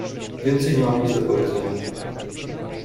"Więcej nie mam nic do powiedzenia."